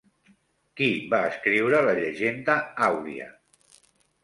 Qui va escriure la Llegenda àuria?